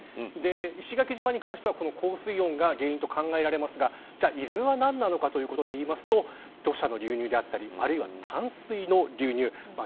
石垣島に関しては高水温が原因と考えられますが伊豆は何なのかということでいうと土砂の流入であったりあるいは淡水の流入。